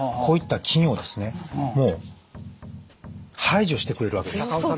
こういった菌をですねもう排除してくれるわけです。